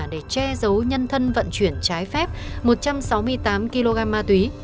để che giấu nhân thân vận chuyển trái phép một trăm sáu mươi tám kg ma túy